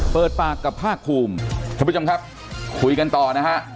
เปิดปากกับภาคภูมิท่านผู้ชมครับคุยกันต่อนะฮะ